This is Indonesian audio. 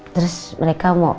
terus mereka mau